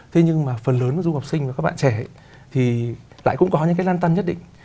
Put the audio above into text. thế nhưng mà phần lớn các du học sinh và các bạn trẻ thì lại cũng có những cái lan tăng nhất định